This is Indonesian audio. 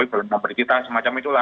jokowi belum memberi kita semacam itulah